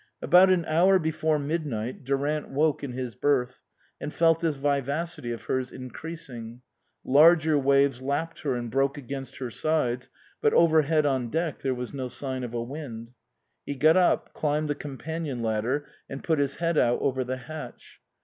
About an hour before mid night Durant woke in his berth, and felt this vivacity of hers increasing ; larger waves lapped her and broke against her sides, but overhead, on deck, there was no sign of a wind. He got up, climbed the companion ladder, and put his head out over the hatch.